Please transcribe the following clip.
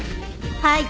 はい。